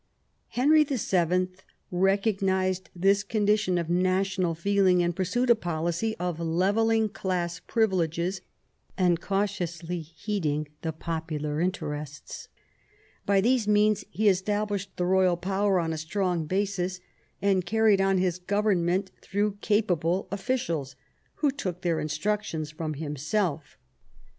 Henry YII. recognised this condition of national feeling, and pursued a policy of levelling class privileges and cautiously heeding the popular interests ; by these means he established the royal power on a strong basis, and carried on his government through capable officials, who took their instructions from himself.